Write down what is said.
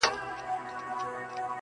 يو ثبوت دا دی چي اوس هم